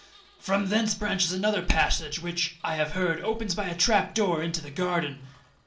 From thence branches another passage, which, I have heard, opens by a trap door into the garden.'